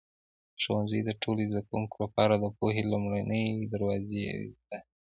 ښوونځی د ټولو زده کوونکو لپاره د پوهې لومړنی دروازه دی.